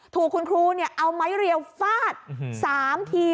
ถูกคุณครูเอาไม้เรียวฟาด๓ที